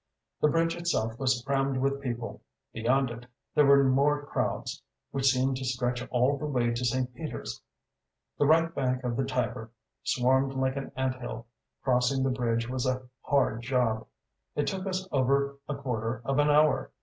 The bridge itself was crammed with people; beyond it, there were more crowds, which seemed to stretch all the way to St. Peter's. The right bank of the Tiber swarmed like an ant hill. Crossing the bridge was a hard job; it took us over a quarter of an hour.